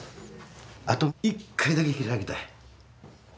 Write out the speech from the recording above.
あと１回だけ開きたい。